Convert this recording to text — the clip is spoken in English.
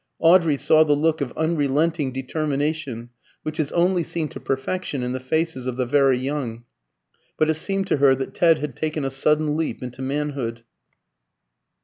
Audrey saw the look of unrelenting determination, which is only seen to perfection in the faces of the very young, but it seemed to her that Ted had taken a sudden leap into manhood.